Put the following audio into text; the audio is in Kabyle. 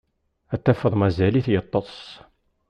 Ad tafeḍ mazal-it yeṭṭes.